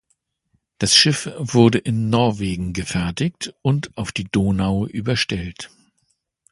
Das Schiff wurde in Norwegen gefertigt und auf die Donau überstellt.